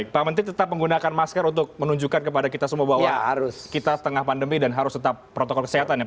pak menteri tetap menggunakan masker untuk menunjukkan kepada kita semua bahwa kita tengah pandemi dan harus tetap protokol kesehatan ya